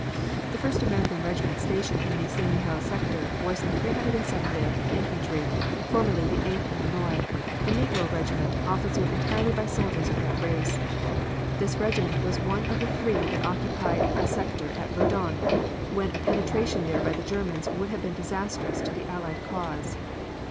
The first American regiment stationed in the St. Mihiel sector was the 370th Infantry, formerly the Eighth Illinois, a Negro regiment officered entirely by soldiers of that race. This regiment was one of the three that occupied a sector at Verdun when a penetration there by the Germans would have been disastrous to the Allied cause.